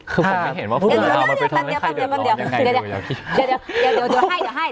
คือผมไม่เห็นว่าผู้อื่นเดือดร้อนมันไปทำให้ใครเดือดร้อนยังไงดูอย่างนี้